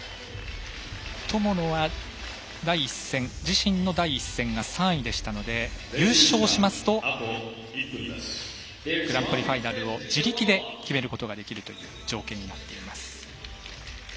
友野は自身の第１戦が３位でしたので優勝しますとグランプリファイナルを自力で決めることができるという条件になっています。